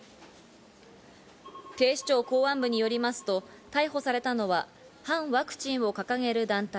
警視庁公安部によりますと、逮捕されたのは反ワクチンを掲げる団体、